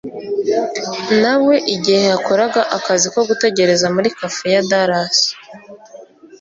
na we igihe yakoraga akazi ko gutegereza muri cafe ya dallas